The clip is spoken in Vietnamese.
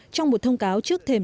trong một thông cáo trước thềm